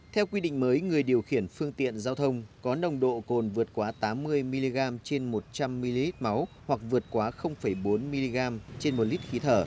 theo quy định mới người điều khiển phương tiện giao thông có nồng độ cồn vượt quá tám mươi mg trên một trăm linh ml máu hoặc vượt quá bốn mg trên một lít khí thở